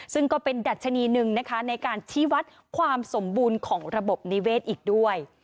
ซึ่งก็เป็นดัชนีหนึ่งนะคะในการชี้วัดความสมบูรณ์ของระบบนิเวศอีกด้วย